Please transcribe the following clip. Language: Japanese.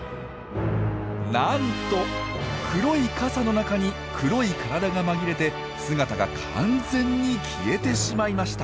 なんと黒い傘の中に黒い体が紛れて姿が完全に消えてしまいました！